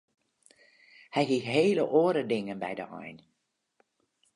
Hy hie hele oare dingen by de ein.